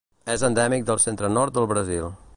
És endèmic del centre-nord del Brasil.